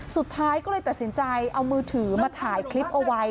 สุดท้ายก็เลยตัดสินใจเอามือถือมาถ่ายคลิปเอาไว้